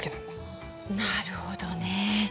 なるほどね。